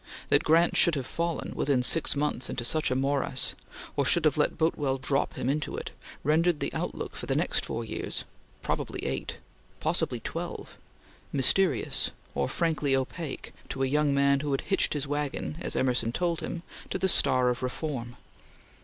That Grant should have fallen, within six months, into such a morass or should have let Boutwell drop him into it rendered the outlook for the next four years probably eight possibly twelve mysterious, or frankly opaque, to a young man who had hitched his wagon, as Emerson told him, to the star of reform.